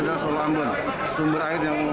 terjadi kendala kendalanya terjadi kendala kendala